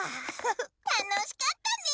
たのしかったね。